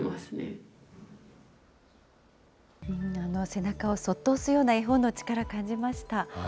背中をそっと押すような絵本の力、感じました。